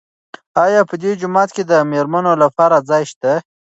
آیا په دې جومات کې د مېرمنو لپاره ځای شته؟